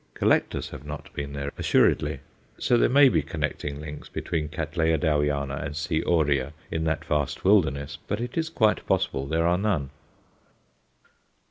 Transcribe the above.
Collectors have not been there, assuredly. So there may be connecting links between C. Dowiana and C. aurea in that vast wilderness, but it is quite possible there are none.